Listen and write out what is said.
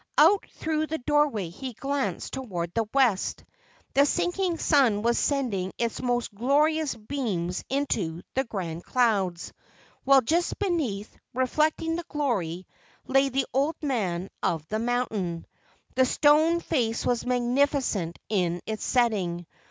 Out through the doorway he glanced toward the west. The sinking sun was sending its most glorious beams into the grand clouds, while just beneath, reflecting the glory, lay the Old Man of the Mountain. The stone face was magnificent in its setting.